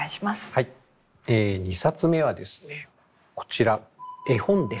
はい２冊目はですねこちら絵本です。